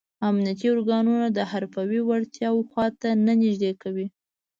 امنیتي ارګانونه د حرفوي وړتیاو خواته نه نږدې کوي.